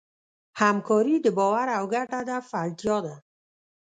همکاري د باور او ګډ هدف اړتیا ده.